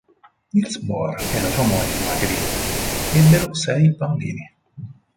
Niels Bohr e la sua moglie Margrethe ebbero sei bambini.